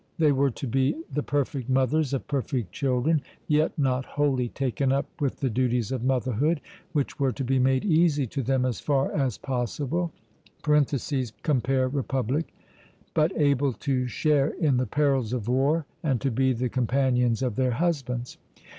They were to be the perfect mothers of perfect children, yet not wholly taken up with the duties of motherhood, which were to be made easy to them as far as possible (compare Republic), but able to share in the perils of war and to be the companions of their husbands.